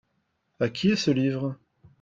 À qui est ce livre ?